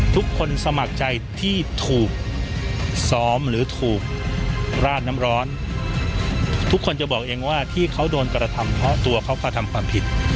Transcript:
ทุกคนสมัครใจที่ถูกซ้อมหรือถูกราดน้ำร้อนทุกคนจะบอกเองว่าที่เขาโดนกระทำเพราะตัวเขากระทำความผิด